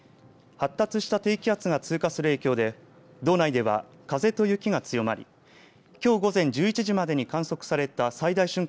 発達した低気圧が通過する影響で道内では風と雪が強まりきょう午前１１時までに観測された最大瞬間